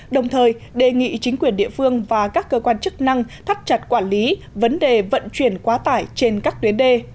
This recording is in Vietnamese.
đồng thời đề nghị chính quyền địa phương và các cơ quan chức năng thắt chặt quản lý vấn đề vận chuyển quá tải trên các tuyến đê